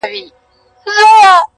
« اتفاق په پښتانه کي پیدا نه سو »!